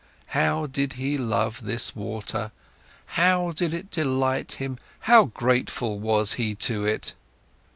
How did he love this water, how did it delight him, how grateful was he to it!